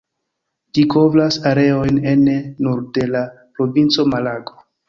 Ĝi kovras areojn ene nur de la provinco Malago.